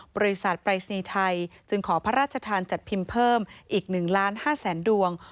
บริษัทปรายศนีย์ไทยจึงขอพระราชทานจัดพิมพ์เพิ่มอีก๑ล้าน๕แสนดวง